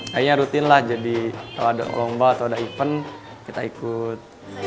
kayaknya rutin lah jadi kalau ada lomba atau ada event kita ikut